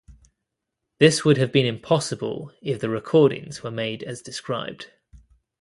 This would have been impossible if the recordings were made as described.